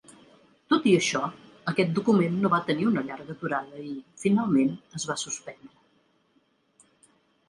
Tot i això, aquest document no va tenir una llarga durada i, finalment, es va suspendre.